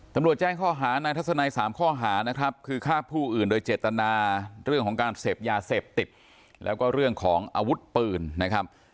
ตำรวจแจ้งข้อหานายทัศนัย๓ข้อหานะครับคือฆ่าผู้อื่นโดยเจตนาเรื่องของการเสพยาเสพติดแล้วก็เรื่องของอาวุธปืนนะครับ